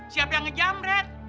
siapa yang ngejambret